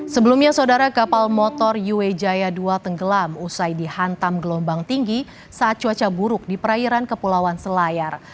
sebelumnya saudara kapal motor yuwe jaya dua tenggelam usai dihantam gelombang tinggi saat cuaca buruk di perairan kepulauan selayar